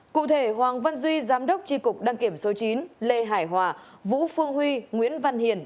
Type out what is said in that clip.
cụ thể hoàng văn duy giám đốc tri cục đăng kiểm số chín lê hải hòa vũ phương huy nguyễn văn hiền